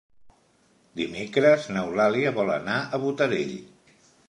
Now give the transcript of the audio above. Dimecres n'Eulàlia vol anar a Botarell.